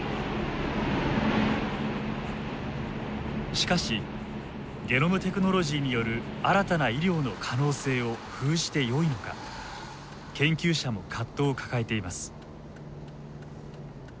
しかしゲノムテクノロジーによる新たな医療の可能性を封じてよいのか研究者も葛藤を抱えています。